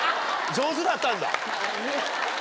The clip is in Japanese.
上手だったんだ。